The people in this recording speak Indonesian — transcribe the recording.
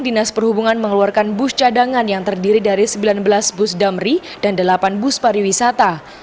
dinas perhubungan mengeluarkan bus cadangan yang terdiri dari sembilan belas bus damri dan delapan bus pariwisata